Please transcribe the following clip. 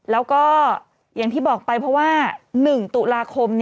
แล้วก็อย่างที่บอกไปเพราะว่า๑ตุลาคม